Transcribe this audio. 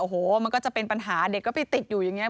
โอ้โหมันก็จะเป็นปัญหาเด็กก็ไปติดอยู่อย่างนี้